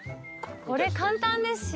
これ簡単ですしね。